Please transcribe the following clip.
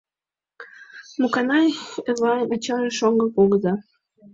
Муканай — Эвайын ачаже, шоҥго кугыза.